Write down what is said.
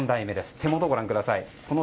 手元をご覧ください。